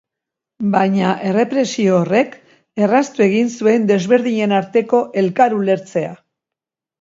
Baina errepresio horrek erraztu egin zuen desberdinen arteko elkar ulertzea.